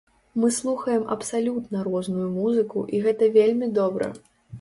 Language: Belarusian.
Мы слухаем абсалютна розную музыку і гэта вельмі добра!